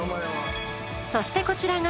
そしてこちらが